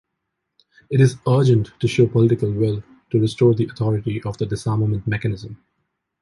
It is urgent to show political will to restore the authority of the disarmament mechanism.